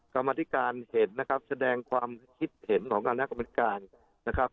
กรรมธิการเห็นนะครับแสดงความคิดเห็นของคณะกรรมการนะครับ